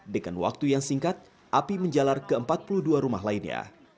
dengan waktu yang singkat api menjalar ke empat puluh dua rumah lainnya